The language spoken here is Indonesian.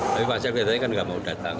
tapi pak sel kebetulan kan gak mau datang